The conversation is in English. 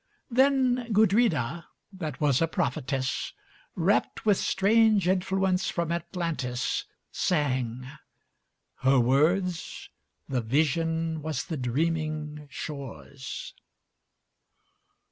Then Gudrida, that was a prophetess, Rapt with strange influence from Atlantis, sang:Her words: the vision was the dreaming shore's.